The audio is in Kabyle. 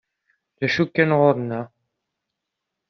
D acu kan ɣur-nneɣ.